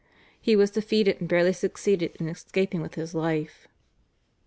He was defeated and barely succeeded in escaping with his life.